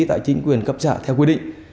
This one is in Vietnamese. tại chính quyền cấp trả theo quy định